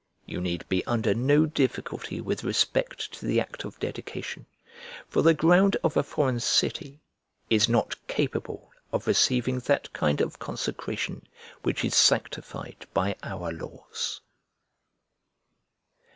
You need be under no difficulty with respect to the act of dedication; for the ground of a foreign city [1041b] is not capable of receiving that kind of consecration which is sanctified by our laws.